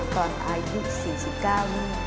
ตอนอายุ๔๙นี่